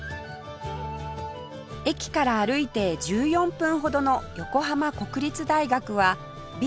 駅から歩いて１４分ほどの横浜国立大学は Ｂ